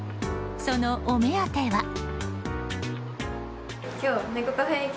そのお目当ては。